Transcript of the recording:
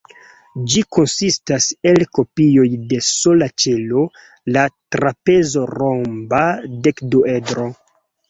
Ĝi konsistas el kopioj de sola ĉelo, la trapezo-romba dekduedro.